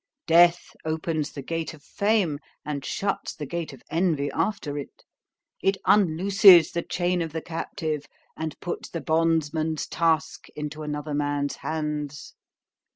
——Death opens the gate of fame, and shuts the gate of envy after it,—it unlooses the chain of the captive, and puts the bondsman's task into another man's hands.